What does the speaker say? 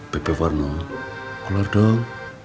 bebe warno keluar dong